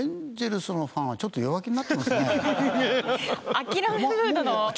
諦めムードの方が。